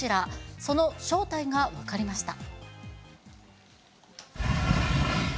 その正体が分かりました。